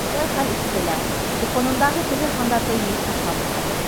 Шулай хәл итте лә, телефонындағы теге һандарҙы юйып ташланы ҡатын.